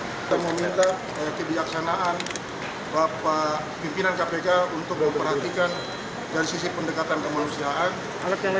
kita meminta kebijaksanaan bapak pimpinan kpk untuk memperhatikan dari sisi pendekatan kemanusiaan